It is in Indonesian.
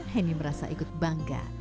heni merasa ikut bangga